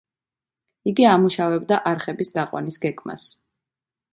იგი ამუშავებდა არხების გაყვანის გეგმას.